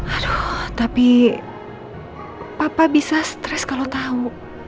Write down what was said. aduh tapi papa bisa stres kalau tahu